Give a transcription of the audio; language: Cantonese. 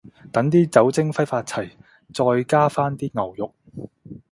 等啲酒精揮發齊，再加返啲牛肉